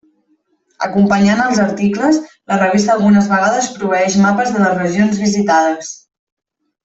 Acompanyant els articles, la revista algunes vegades proveeix mapes de les regions visitades.